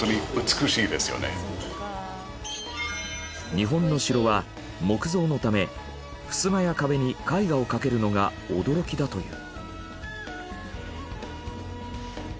日本の城は木造のため襖や壁に絵画を描けるのが驚きだという。